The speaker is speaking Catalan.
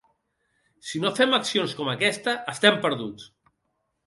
Si no fem accions com aquesta estem perduts.